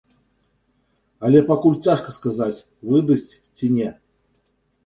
Але пакуль цяжка сказаць, выдасць ці не.